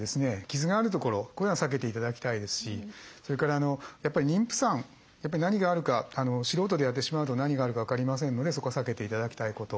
傷があるところこれは避けて頂きたいですしそれからやっぱり妊婦さん何があるか素人でやってしまうと何があるか分かりませんのでそこは避けて頂きたいこと。